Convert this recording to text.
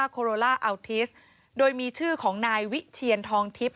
โคโรล่าอัลทิสโดยมีชื่อของนายวิเชียนทองทิพย